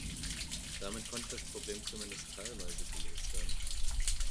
Damit konnte das Problem zumindest teilweise gelöst werden.